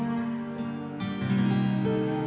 aku mau ke rumah